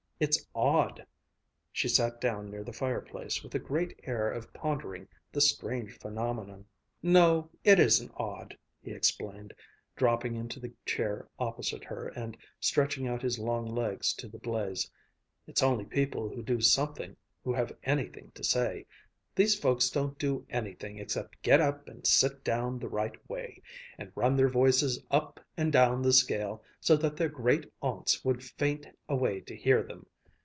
It's odd," she sat down near the fireplace with a great air of pondering the strange phenomenon. "No, it isn't odd," he explained, dropping into the chair opposite her and stretching out his long legs to the blaze. "It's only people who do something, who have anything to say. These folks don't do anything except get up and sit down the right way, and run their voices up and down the scale so that their great aunts would faint away to hear them!